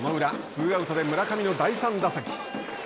ツーアウトで村上の第３打席。